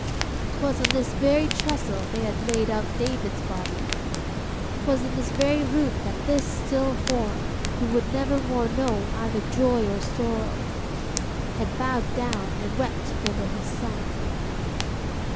'Twas on this very trestle they had laid out David's body; 'twas in this very room that this still form, who would never more know either joy or sorrow, had bowed down and wept over his son.